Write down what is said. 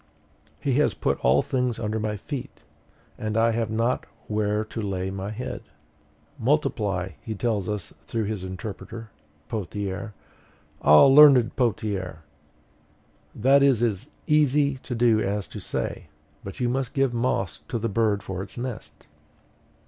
HE HAS PUT ALL THINGS UNDER MY FEET, and I have not where to lay my head! MULTIPLY, he tells us through his interpreter, Pothier. Ah, learned Pothier! that is as easy to do as to say; but you must give moss to the bird for its nest.